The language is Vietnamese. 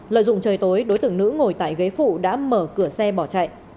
lợi dụng trời tối đối tượng nữ ngồi tại ghế phụ đã mở cửa xe bỏ chạy